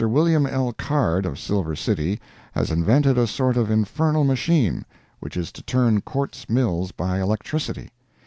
Wm. L. Card, of Silver City, has invented a sort of infernal machine, which is to turn quartz mills by electricity.